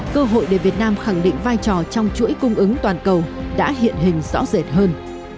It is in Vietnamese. cơ hội để việt nam khẳng định vai trò trong chuỗi cung ứng toàn cầu đã hiện hình rõ rệt hơn